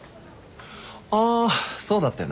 ああそうだったよな。